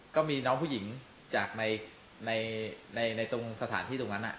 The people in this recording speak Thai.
ก็มีน้องผู้หญิงจากในตรงสถานที่ตรงนั้น